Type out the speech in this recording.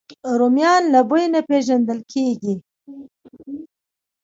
رومیان له بوی نه پېژندل کېږي